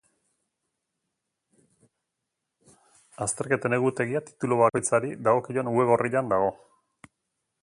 Azterketen egutegia titulu bakoitzari dagokion web orrian dago.